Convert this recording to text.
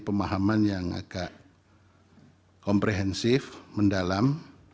pemahaman yang agak komprehensif mendalam